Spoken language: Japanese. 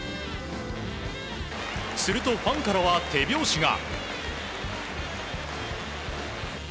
すると、ファンからは手拍子が。